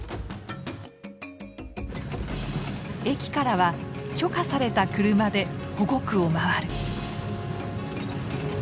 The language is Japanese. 駅からは許可された車で保護区を回る。